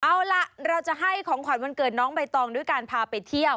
เอาล่ะเราจะให้ของขวัญวันเกิดน้องใบตองด้วยการพาไปเที่ยว